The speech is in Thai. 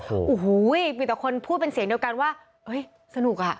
โอ้โหมีแต่คนพูดเป็นเสียงเดียวกันว่าเฮ้ยสนุกอ่ะ